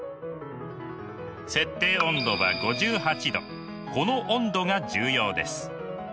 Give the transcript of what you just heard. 設定温度はこの温度が重要です。